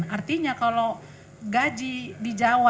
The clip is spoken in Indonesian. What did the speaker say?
artinya kalau gaji di jawa